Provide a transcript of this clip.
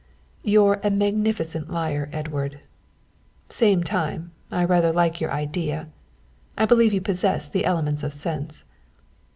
"You're a magnificent liar, Edward same time I rather like your idea I believe you possess the elements of sense."